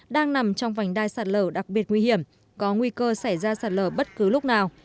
đang nằm trong vành đai sạt lở đặc biệt nguy hiểm có nguy cơ xảy ra sạt lở bất cứ lúc nào